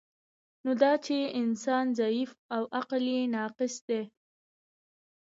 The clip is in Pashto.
نو دا چی انسان ضعیف او عقل یی ناقص دی